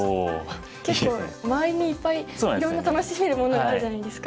結構周りにいっぱいいろいろ楽しめるものがあるじゃないですか。